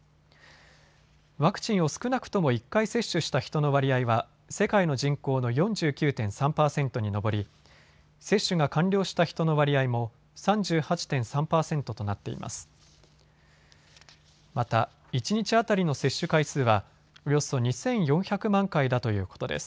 ワクチンを少なくとも１回接種した人の割合は世界の人口の４９．３％に上り接種が完了した人の割合も３８．３％となっています。